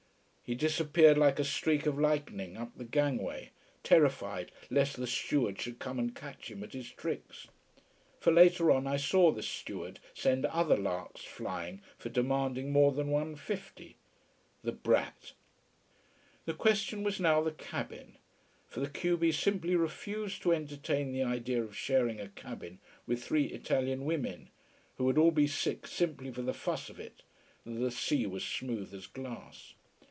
He disappeared like a streak of lightning up the gangway, terrified lest the steward should come and catch him at his tricks. For later on I saw the steward send other larks flying for demanding more than one fifty. The brat. The question was now the cabin: for the q b simply refused to entertain the idea of sharing a cabin with three Italian women, who would all be sick simply for the fuss of it, though the sea was smooth as glass.